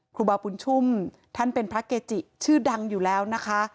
ครูบาบุญชุ่มท่านเป็นพระเกจิชื่อดังอยู่แล้วนะคะ